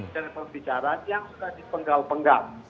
dari pembicaraan yang sudah dipenggal penggal